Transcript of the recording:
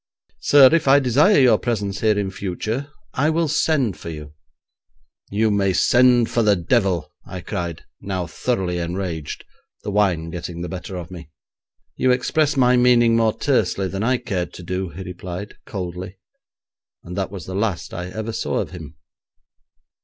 Sir, if I desire your presence here in future I will send for you.' 'You may send for the devil!' I cried, now thoroughly enraged, the wine getting the better of me. 'You express my meaning more tersely than I cared to do,' he replied coldly, and that was the last I ever saw of him.